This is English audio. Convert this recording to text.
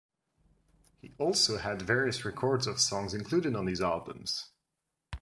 He also had various records of songs included on these albums.